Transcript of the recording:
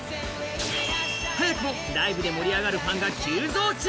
早くもライブで盛り上がるファンが急増中。